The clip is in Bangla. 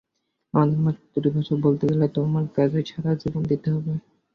আমার মাতৃভাষায় বলতে গেলে, তোমার কাজে সারা জীবন দিতে পারি।